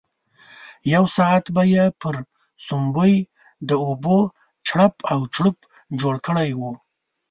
یو ساعت به یې پر سومبۍ د اوبو چړپ او چړوپ جوړ کړی وو.